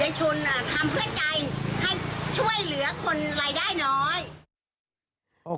ทำเพื่อใจให้ช่วยเหลือคนรายได้น้อย